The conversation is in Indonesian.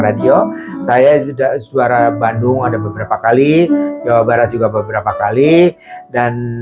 radio saya juga suara bandung ada beberapa kali jawa barat juga beberapa kali dan